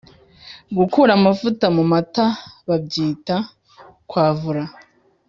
Gukura amavuta mu matababyita Kwavura